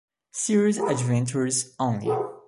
Serious adventurers only.